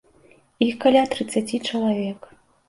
Іх каля трыццаці чалавек.